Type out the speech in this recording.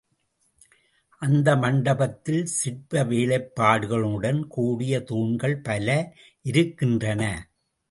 அந்த மண்டபத்தில் சிற்ப வேலைப்பாடுகளுடன் கூடிய தூண்கள் பல இருக்கின்றன.